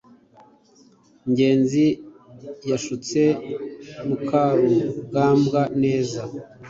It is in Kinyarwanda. ngenzi yashutse mukarugambwa neza